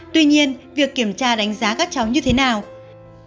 tuy nhiên việc kiểm tra đánh giá các cháu như thế nào